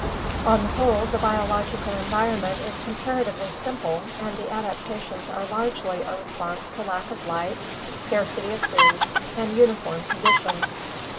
On the whole the biological environment is comparatively simple and the adaptations are largely a response to lack of light, scarcity of food, and uniform conditions.